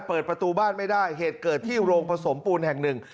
เปิดประตูบ้านไม่ได้เหตุเกิดที่โรงผสมปูนแห่งหนึ่ง